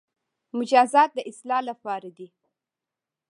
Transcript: مجازات د اصلاح لپاره دي